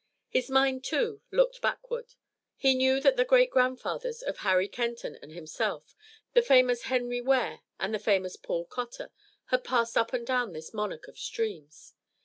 His mind, too, looked backward. He knew that the great grandfathers of Harry Kenton and himself, the famous Henry Ware and the famous Paul Cotter, had passed up and down this monarch of streams.